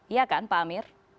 iya kan pak amir